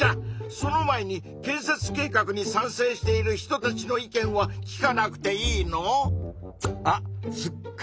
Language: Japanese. その前に建設計画に賛成している人たちの意見は聞かなくていいの？